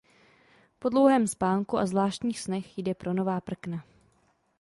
Po dlouhém spánku a zvláštních snech jde pro nová prkna.